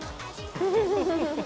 フフフフフ。